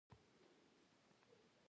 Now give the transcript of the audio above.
غریب د ښېرازو خیالونه ویني